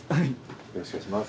よろしくお願いします。